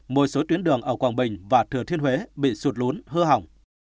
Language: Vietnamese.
một số tuyến đường ở quảng bình và thừa thiên huế bị sụt lún hư hỏng